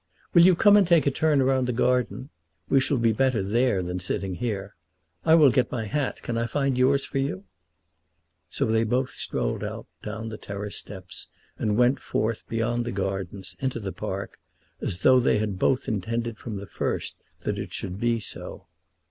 "Will you come and take a turn round the garden? We shall be better there than sitting here. I will get my hat; can I find yours for you?" So they both strolled out, down the terrace steps, and went forth, beyond the gardens, into the park, as though they had both intended from the first that it should be so.